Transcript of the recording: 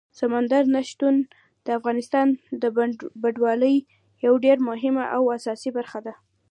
سمندر نه شتون د افغانستان د بڼوالۍ یوه ډېره مهمه او اساسي برخه ده.